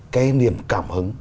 cái niềm cảm hứng